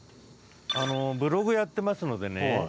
あのブログやってますのでね